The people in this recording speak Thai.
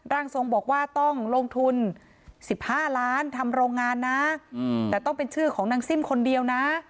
ร่างทรงบอกว่าต้องลงทุน๑๕ล้านทำโรงงานนะแต่ต้องเป็นชื่อของนางซิ่มคนเดียวนะ